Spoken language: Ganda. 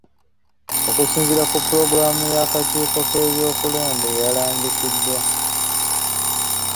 Okusinziira ku pulogulaamu y'akakiiko k'ebyokulonda eyalambikidwa.